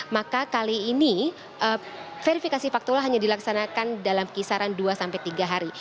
maka kali ini verifikasi faktual hanya dilaksanakan dalam kisaran dua sampai tiga hari